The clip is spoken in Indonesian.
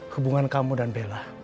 hubungan kamu dan bella